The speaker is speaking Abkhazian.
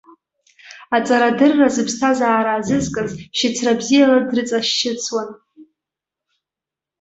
Аҵара-дырра зыԥсҭазаара азызкыз, шьыцра бзиала дрыҵашьыцуан.